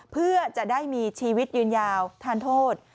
เพื่อจะได้มีชีวิตยืนยาวทานโทษ